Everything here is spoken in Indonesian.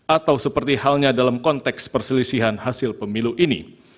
atau seperti halnya dalam konteks perselisihan hasil pemilu ini